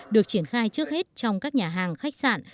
được triển khai trước hết trong các nhà hàng khách sạn